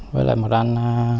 với lại một anh